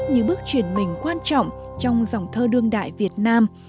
như bước chuyển mình quan trọng trong dòng thơ đương đại việt nam